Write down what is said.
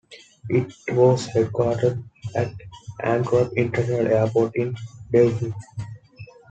It was headquartered at Antwerp International Airport in Deurne.